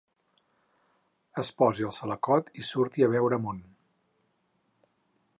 Es posi el salacot i surti a veure món.